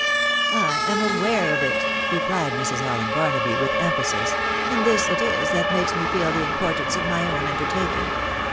" I am aware of it," replied Mrs. Allen Barnaby, with emphasis, " and this it is that makes me feel the importance of my own un dertaking.